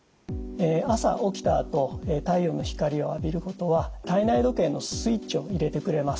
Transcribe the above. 朝起きたあと太陽の光を浴びることは体内時計のスイッチを入れてくれます。